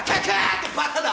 ってバカだ！